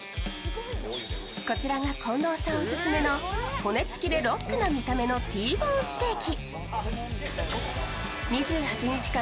こちらが近藤さんオススメの骨付きでロックな見た目のＴボーンステーキ。